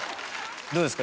どうですか？